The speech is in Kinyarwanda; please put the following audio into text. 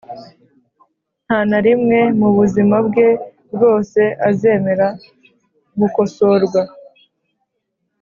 nta na rimwe mu buzima bwe bwose azemera gukosorwa.